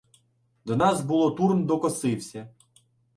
До нас було Турн докосився